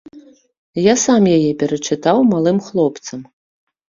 Я сам яе перачытаў малым хлопцам.